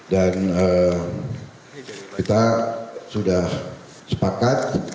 dan kita sudah sepakat